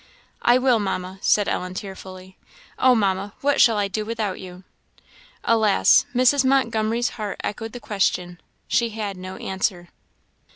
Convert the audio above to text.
"I will, Mamma," said Ellen, tearfully. "Oh, Mamma, what shall I do without you?" Alas! Mrs. Montgomery's heart echoed the question she had no answer.